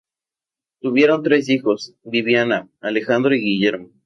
Tuvieron tres hijos; Viviana, Alejandro y Guillermo.